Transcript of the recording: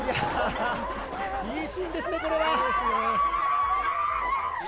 いいシーンですね、これは。